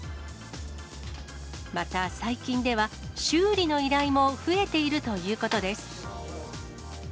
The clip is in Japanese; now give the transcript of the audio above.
また最近では、修理の依頼も増えているということです。